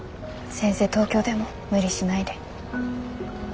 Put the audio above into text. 先生東京でも無理しないで。